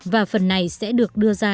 và phần này sẽ được đưa ra